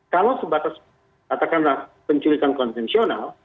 kalau sebatas katakanlah penculikan konvensional